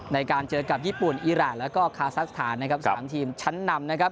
ในการเจอกับญี่ปุ่นอีรานแล้วก็คาซักสถานนะครับ๓ทีมชั้นนำนะครับ